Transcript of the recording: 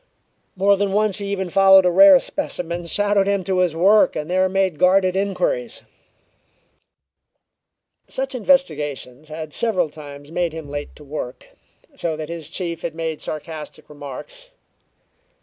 More than once he even followed a rare specimen shadowed him to his work and there made guarded inquiries. Such investigations had several times made him late to work, so that his chief had made sarcastic remarks.